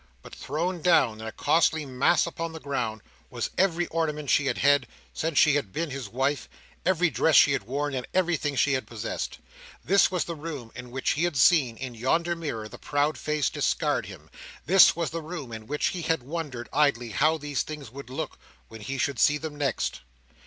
But thrown down in a costly mass upon the ground, was every ornament she had had, since she had been his wife; every dress she had worn; and everything she had possessed. This was the room in which he had seen, in yonder mirror, the proud face discard him. This was the room in which he had wondered, idly, how these things would look when he should see them next!